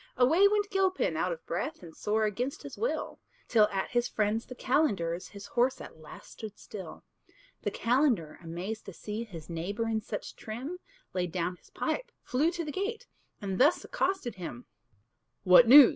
Away went Gilpin, out of breath, And sore against his will, Till at his friend's the calender's His horse at last stood still. The calender, amazed to see His neighbour in such trim, Laid down his pipe, flew to the gate, And thus accosted him: "What news?